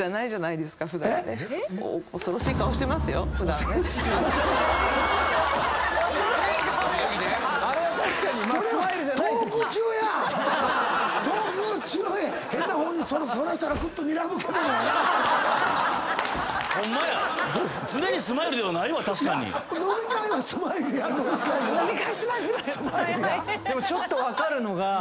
でもちょっと分かるのが。